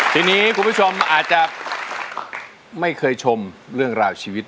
ทีนี้คุณผู้ชมอาจจะไม่เคยชมเรื่องราวชีวิต